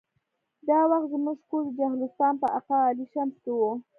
دا وخت زموږ کور د چهلستون په اقا علي شمس کې و.